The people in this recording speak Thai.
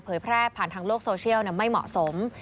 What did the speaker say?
แพร่ผ่านทางโลกโซเชียลไม่เหมาะสม